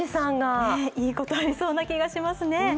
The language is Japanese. いいことありそうな気がしますね。